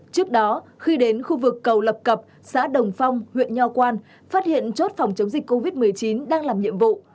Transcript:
trước đó khi đến khu vực cầu lập cập xã đồng phong huyện nho quan phát hiện chốt phòng chống dịch covid một mươi chín đang làm nhiệm vụ